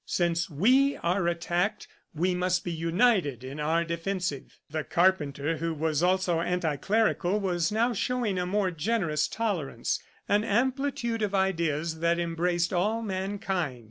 Since we are attacked, we must be united in our defensive." The carpenter, who was also anti clerical, was now showing a more generous tolerance, an amplitude of ideas that embraced all mankind.